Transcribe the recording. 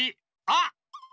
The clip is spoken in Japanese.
あっ！